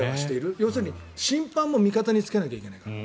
要するに審判も味方につけなきゃいけないから。